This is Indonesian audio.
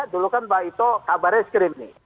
dulu kan mbak ito kabarnya skrim nih